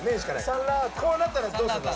こうなったらどうすんの？